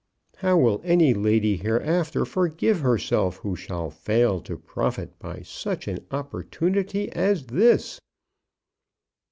How will any lady hereafter forgive herself, who shall fail to profit by such an opportunity as this?